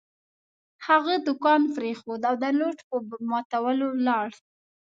هغه دوکان پرېښود او د نوټ په ماتولو ولاړ.